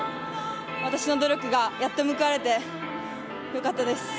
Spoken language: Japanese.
私の努力がやっと報われて良かったです。